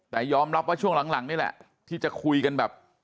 แต่ยอมรับว่าช่วงหลังนี่แหละที่จะคุยกันแบบ